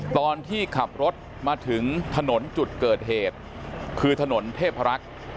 ตอนที่ขับรถมาถึงถนนจุดเกิดเหตุคือถนนเทพรักษ์